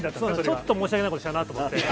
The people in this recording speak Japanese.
ちょっと申し訳ないことしたなって。